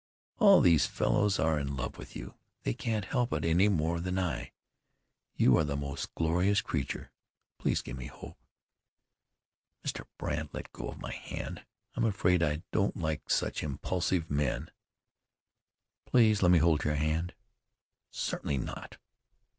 "All these fellows are in love with you. They can't help it any more than I. You are the most glorious creature. Please give me hope." "Mr. Brandt, let go my hand. I'm afraid I don't like such impulsive men." "Please let me hold your hand." "Certainly not."